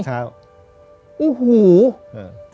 ฮวร์หูร์